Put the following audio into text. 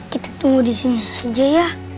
kita tunggu di sini aja ya